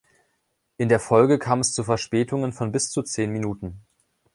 In der Folge kam es zu Verspätungen von bis zu zehn Minuten.